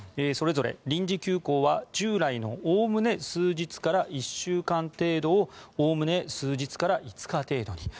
それぞれ臨時休校は従来のおおむね数日から１週間程度をおおむね数日から５日程度に。